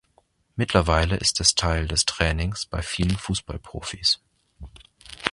Mittlerweile ist es Teil des Trainings bei vielen Fußballprofis.